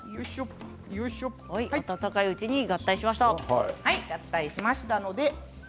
温かいうちに合体しました。